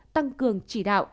tăng cường chỉ đạo